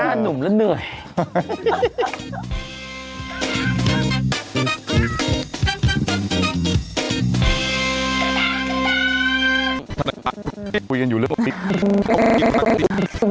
นั่นหนุ่มแล้วเหนื่อย